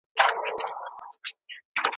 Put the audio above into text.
له خپله نظمه امېلونه جوړ کړم